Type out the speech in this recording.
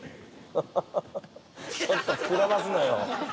ちょっと膨らますのよ。